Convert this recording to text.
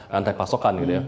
rantai pasokan gitu ya